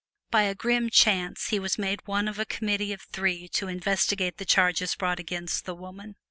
By a grim chance he was made one of a committee of three to investigate the charges brought against the woman.